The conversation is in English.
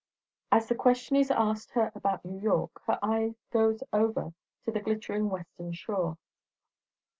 As the question is asked her about New York, her eye goes over to the glittering western shore.